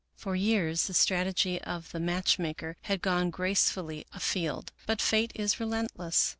For years the strategy of the match maker had gone grace fully afield, but Fate is relentless.